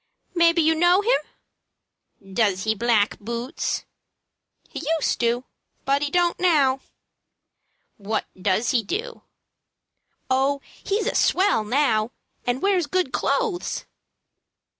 "Maybe you know him?" "Does he black boots?" "He used to, but he don't now." "What does he do?" "Oh, he's a swell now, and wears good clothes."